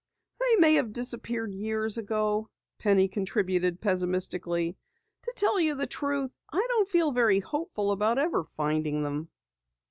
"They may have disappeared years ago," Penny contributed pessimistically. "To tell you the truth, I don't feel very hopeful about ever finding them."